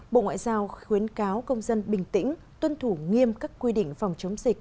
bộ ngoại giao khuyến cáo công dân bình tĩnh tuân thủ nghiêm các quy định phòng chống dịch